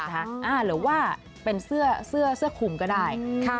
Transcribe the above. หรือว่าเป็นเสื้อคุมก็ได้